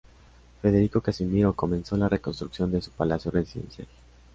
Federico Casimiro, comenzó la reconstrucción de su palacio residencial.